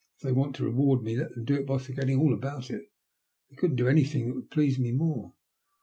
If they want to reward me, let them do it by forgetting iJl about it. They couldn't do anythhig that would please me more."